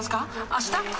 あした？